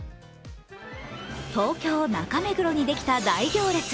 東京・中目黒にできた大行列。